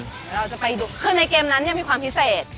เดี๋ยวเราจะไปดูคือในเกมนั้นมีความพิเศษ